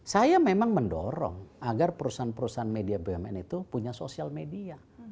saya memang mendorong agar perusahaan perusahaan media bumn itu punya sosial media